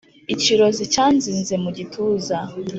ikirozi cyanzize mu gituza